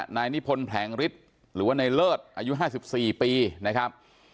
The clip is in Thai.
นายนิพนธ์แผลงฤทธิ์หรือว่าในเลิศอายุ๕๔ปีนะครับ